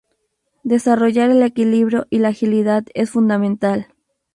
Desarrollar el equilibrio y la agilidad es fundamental.